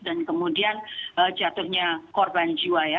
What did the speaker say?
dan kemudian jatuhnya korban jiwa ya